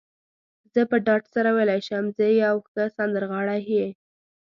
زه په ډاډ سره ویلای شم، ته یو ښه سندرغاړی يې.